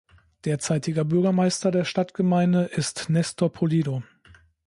Derzeitiger Bürgermeister der Stadtgemeinde ist Nestor Pulido.